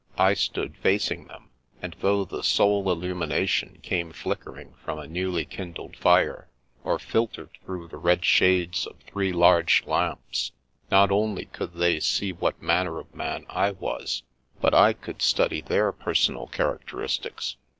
I stood facing them; and though the sole illumination came flickering from a newly kindled fire, or filtered through the red shades of three large lamps, not only could they see what manner of man I was, but I could study their per sonal characteristics.